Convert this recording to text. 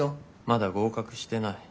まだ合格してない。